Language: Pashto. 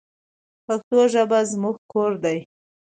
پښتو ژبه زموږ کور دی.